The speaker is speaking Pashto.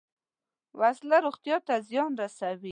وسله روغتیا ته زیان رسوي